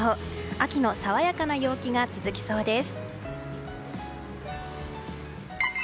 秋の爽やかな陽気が続きそうです。